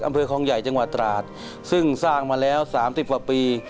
อำเภอคลองใหญ่จังหวัดตราดซึ่งสร้างมาแล้ว๓๐กว่าปี